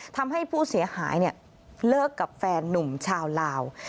ทำให้ผู้เสียหายเลิกกับแฟนนุ่มชาวลาว